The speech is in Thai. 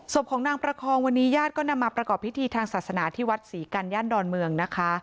ศพของนางประคองวันนี้ญาติก็นำมาประกอบพิธีทางศาสนาที่วัดศรีกันย่านดอนเมืองนะคะ